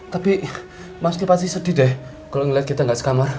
tapi pasti pasti sedih deh kalau ngelihat kita nggak sekamar